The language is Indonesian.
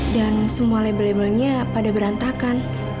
dan semua label labelnya pada berantakan